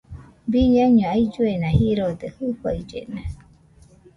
Biñaino ailluena jirode jɨfaillena